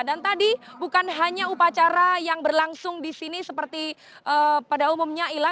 dan tadi bukan hanya upacara yang berlangsung di sini seperti pada umumnya